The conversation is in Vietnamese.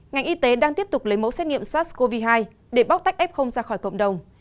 ngành y tế đang tiếp tục lấy mẫu xét nghiệm sars cov hai để bóc tách f ra khỏi cộng đồng